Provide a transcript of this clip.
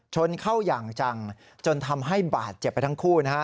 ชนเข้าอย่างจังจนทำให้บาดเจ็บไปทั้งคู่นะฮะ